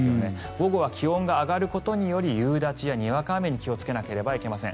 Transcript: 午後は気温が上がることにより夕立やにわか雨に気をつけなければいけません。